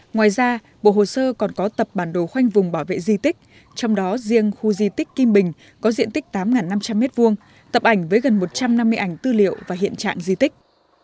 ngoài ra bộ hồ sơ còn có tập bản đồ khoanh vùng bảo vệ di tích trong đó riêng khu di tích kim bình có diện tích tám năm trăm linh m hai tập ảnh với gần một trăm năm mươi ảnh tư liệu và hiện trạng di tích